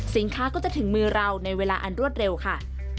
สินค้าก็จะถึงมือเราในเวลาอันรวดเร็วค่ะ